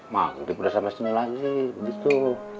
manti udah sampe sinyal lagi gitu